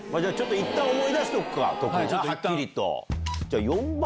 いったん思い出しとくか徳井はっきりと。